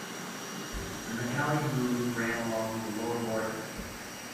The Meckelian groove ran along the lower border.